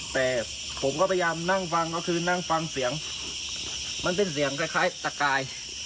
แต่ผมก็พยายามนั่งฟังก็คือนั่งฟังเสียงมันเป็นเสียงคล้ายตะกาย